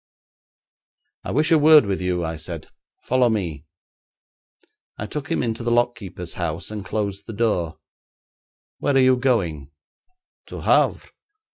'I wish a word with you,' I said. 'Follow me.' I took him into the lock keeper's house and closed the door. 'Where are you going?' 'To Havre.'